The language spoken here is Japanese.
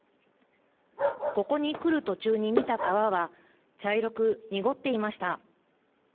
ここに来る途中に見た川は、茶色く濁っていました。